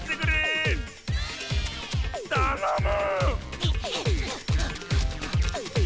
たのむ！